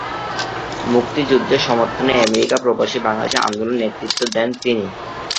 মুক্তিযুদ্ধের সমর্থনে আমেরিকা প্রবাসী বাংলাদেশীদের আন্দোলনে নেতৃত্ব দেন তিনি।